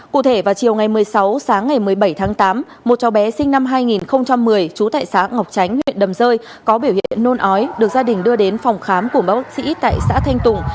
cụ thể vào chiều ngày một mươi sáu sáng ngày một mươi bảy tháng tám một cháu bé sinh năm hai nghìn một mươi trú tại xã ngọc chánh huyện đầm rơi có biểu hiện nôn ói được gia đình đưa đến phòng khám của bác sĩ tại xã thanh tùng